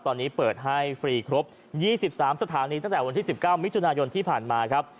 ตอนนี้เปิดให้ฟรีครบ๒๓สถานีตั้งแต่วันที่๑๙มิถุนายนที่ผ่านมาครับ